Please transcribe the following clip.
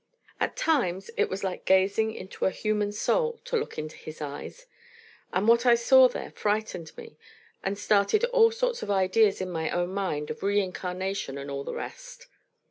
At times it was like gazing into a human soul, to look into his eyes; and what I saw there frightened me and started all sorts of ideas in my own mind of reincarnation and all the rest.